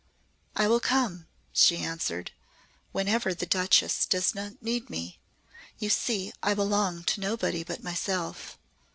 "I will come," she answered, "whenever the Duchess does not need me. You see I belong to nobody but myself."